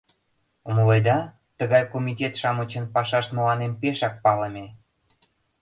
Умыледа, тыгай комитет-шамычын пашашт мыланем пешак палыме.